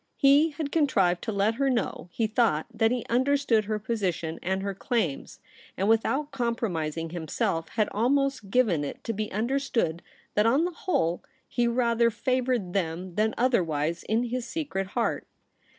He had con trived to let her know, he thought, that he understood her position and her claims ; and without compromising himself had almost given it to be understood that on the whole he rather favoured them than otherwise in his secret heart.